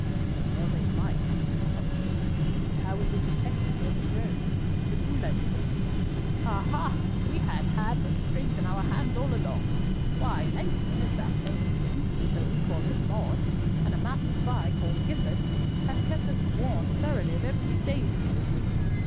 "As well they might," said Humfrey. "But how was it detected and overthrown? Was it through Langston?" "Ah, ha! we had had the strings in our hands all along. Why, Langston, as thou namest him, though we call him Maude, and a master spy called Gifford, have kept us warned thoroughly of every stage in the business.